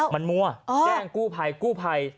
มันมั่วแจ้งกู้ภัยกู้ภัย